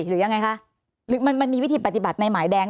หรือยังไงคะหรือมันมันมีวิธีปฏิบัติในหมายแดง